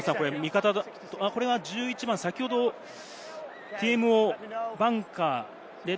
これは１１番、先ほどのＴＭＯバンカー。